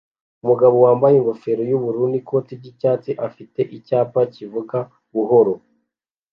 Umugabo wambaye ingofero yubururu n'ikoti ry'icyatsi afite icyapa kivuga buhoro